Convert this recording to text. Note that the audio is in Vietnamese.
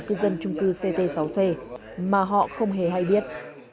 cư dân trung cư ct sáu c mà họ không hề hay biết